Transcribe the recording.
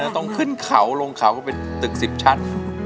ต้องขึ้นเขาลงเขาก็เป็นตึก๑๐ชั้น